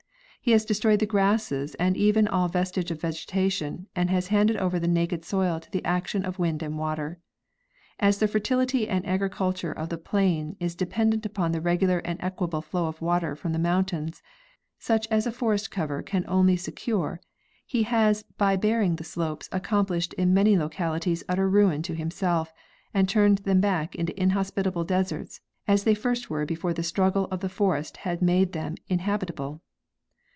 He has destroyed .the grasses and even all vestige of vegetation, and has handed over the naked soil to the action of wind and water. As the fertility and agriculture of the plain is dependent upon the regular and equable flow of water from the mountains, such as a forest cover alone can secure, he has by baring the slopes accomplished in many localities utter ruin to himself, and turned them back into inhospitable deserts as they first were before the struggle of the forest had made them inhabitable.